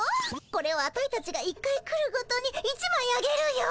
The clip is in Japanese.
これをアタイたちが一回来るごとに１まいあげるよ。